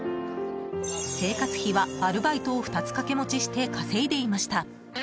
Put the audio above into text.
生活費はアルバイトを２つ掛け持ちして稼いでいました。